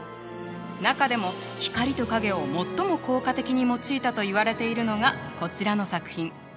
中でも光と影を最も効果的に用いたといわれているのがこちらの作品。